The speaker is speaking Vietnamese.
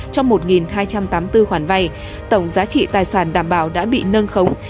cho một hai trăm tám mươi bốn khoản vay tổng giá trị tài sản đảm bảo đã bị nâng khống